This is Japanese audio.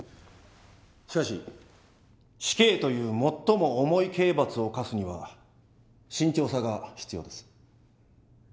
しかし死刑という最も重い刑罰を科すには慎重さが必要です。